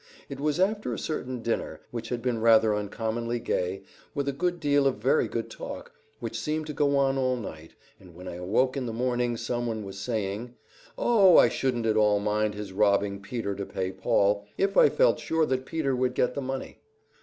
It was after a certain dinner, which had been rather uncommonly gay, with a good deal of very good talk, which seemed to go on all night, and when I woke in the morning someone was saying: "Oh, I shouldn't at all mind his robbing Peter to pay Paul, if I felt sure that Paul would get the money."